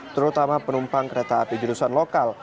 terutama penumpang kereta api jurusan lokal